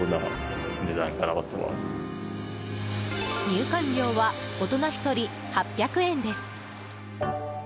入館料は大人１人８００円です。